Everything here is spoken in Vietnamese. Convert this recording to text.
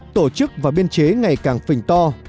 tổ chức và biên chế ngày càng phình to